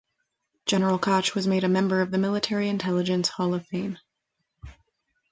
General Koch was made a member of the Military Intelligence Hall of Fame.